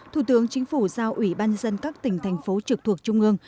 thủ tướng chính phủ giao ủy ban dân các tỉnh thành phố trực thuộc trung ương